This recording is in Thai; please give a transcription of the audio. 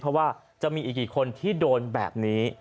เพราะว่าจะมีอีกกี่คนที่โดนแบบนี้